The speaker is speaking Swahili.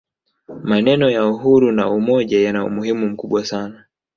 maneno ya uhuru na umoja yana umuhimu mkubwa sana